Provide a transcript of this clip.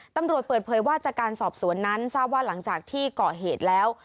ตำรวจเปิดเผยว่าจากการสอบสวนนั้นทราบว่าหลังจากที่ก่อเหตุแล้ว